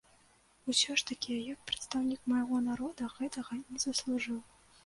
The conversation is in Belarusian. Я ўсё ж такі, як прадстаўнік майго народа, гэтага не заслужыў.